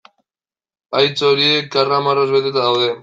Haitz horiek karramarroz beteta daude.